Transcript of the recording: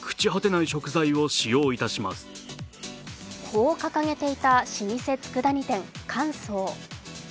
こう掲げていた老舗つくだ煮店・神宗。